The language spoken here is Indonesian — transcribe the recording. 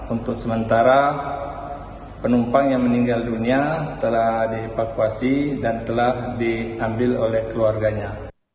untuk sementara penumpang yang meninggal dunia telah dievakuasi dan telah diambil oleh keluarganya